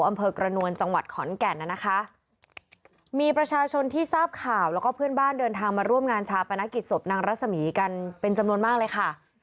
อำเภอกระนวลจังหวัดขอนแก่นน่ะนะคะมีประชาชนที่ทราบข่าวแล้วก็เพื่อนบ้านเดินทางมาร่วมงานชาปนกิจศพนางรัศมีกันเป็นจำนวนมากเลยค่ะ